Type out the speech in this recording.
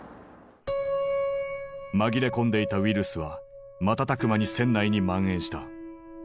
紛れ込んでいたウイルスは瞬く間に船内に蔓延した。